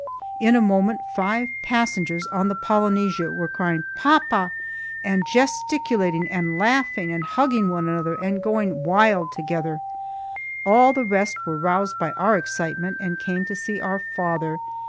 In a moment five passengers on the "Polynesia" were crying, "Papa," and gesticulating, and laughing, and hugging one another, and going wild altogether. All the rest were roused by our excitement, and came to see our father.